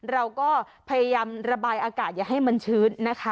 เราก็พยายามระบายอากาศอย่าให้มันชื้นนะคะ